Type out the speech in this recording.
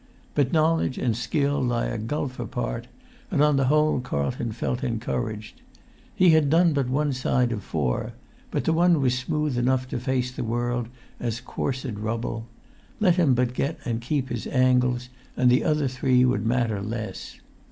But knowledge and skill lie a gulf apart, and on the whole[Pg 140] Carlton felt encouraged. He had done but one side of four, but the one was smooth enough to face the world as coursed rubble; let him but get and keep his angles, and the other three would matter less.